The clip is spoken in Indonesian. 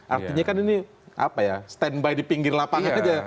artinya kan ini apa ya standby di pinggir lapangan saja